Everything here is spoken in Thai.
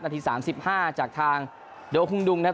ที๓๕จากทางโดฮุงดุงนะครับ